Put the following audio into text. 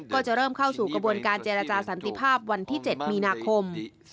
ก็จะเริ่มเข้าสู่กระบวนการเจรจาสันติภาพวันที่๗มีนาคม